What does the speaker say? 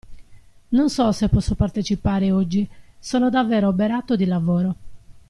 Non so se posso partecipare oggi, sono davvero oberato di lavoro.